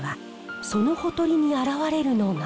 そのほとりに現れるのが。